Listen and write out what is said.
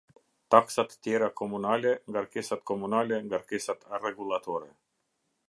Taksat tjera komunale Ngarkesat Komunale Ngarkesat rregullatore.